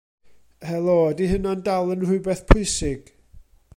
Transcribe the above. Helo, ydy hynna'n dal yn rhywbeth pwysig?